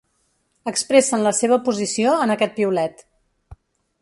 Expressen la seva posició en aquest piulet.